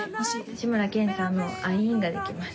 志村けんさんの「アイン」ができます。